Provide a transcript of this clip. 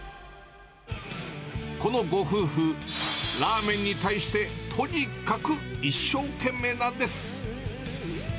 このご夫婦、ラーメンに対してとにかく一生懸命なんです。